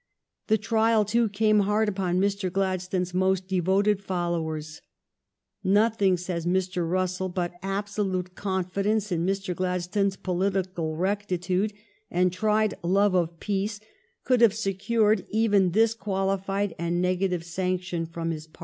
The trial, too, came hard upon Mr. Gladstone s most devoted fol lowers. Nothing, says Mr. Russell, but absolute confidence in Mr. Gladstone's political rectitude and tried love of peace could have secured even this qualified and negative sanction from his party.